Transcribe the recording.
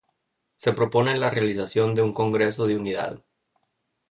Se propone la realización de un Congreso de unidad.